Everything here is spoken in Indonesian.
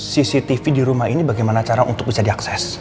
cctv di rumah ini bagaimana cara untuk bisa diakses